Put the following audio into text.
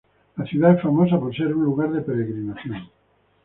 La ciudad es famosa por ser un lugar de peregrinación.